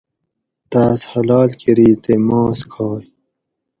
تاۤس حلال کریی تے ماس کھائ